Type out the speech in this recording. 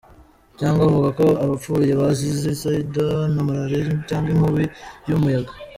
Cg avuga ko abapfuye bazize sida na malaliya cg inkubi y’umuyaga?